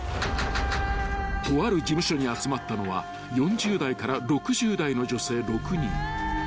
［とある事務所に集まったのは４０代から６０代の女性６人］